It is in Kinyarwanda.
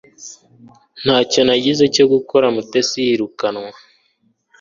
Ntacyo nagize cyo gukora Mutesi yirukanwa